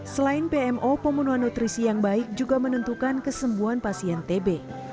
selain pmo pemenuhan nutrisi yang baik juga menentukan kesembuhan pasien tb